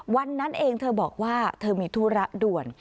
วันนั้นเองเธอบอกว่าเธอมีธุระด่วน